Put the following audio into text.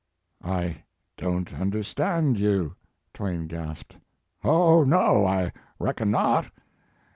"I don t understand you!" Twain gasped. "Oh, no, I reckon not.